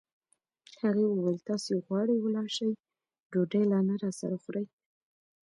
هغې وویل: تاسي غواړئ ولاړ شئ، ډوډۍ لا نه راسره خورئ.